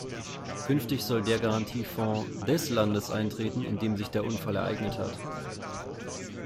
Künftig soll der Garantiefonds des Landes eintreten, in dem sich der Unfall ereignet hat.